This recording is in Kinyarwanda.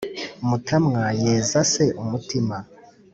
mutamwa yeza se umutima!